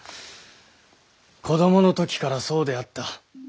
子どものときからそうであった。